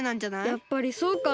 やっぱりそうかな。